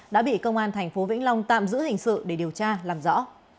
đã bị công an tp vĩnh long tạm giữ hình sự để điều tra làm rõ